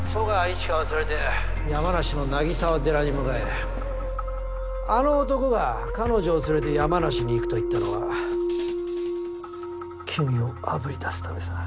山梨の凪沢寺に向かえあの男が彼女を連れて山梨に行くと言ったのは君をあぶり出すためさ。